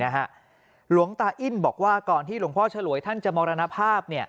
หลวงตาอิ้นบอกว่าก่อนที่หลวงพ่อฉลวยท่านจะมรณภาพ